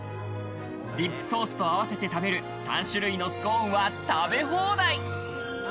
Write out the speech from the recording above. ディップソースと合わせて食べる３種類のスコーンは食べ放題。